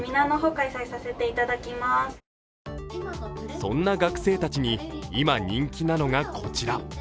そんな学生たちに今人気なのがこちら。